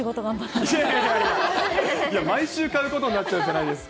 毎週買うことになっちゃうじゃないですか。